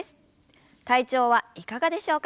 体調はいかがでしょうか？